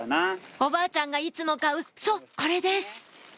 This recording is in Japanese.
おばあちゃんがいつも買うそうこれです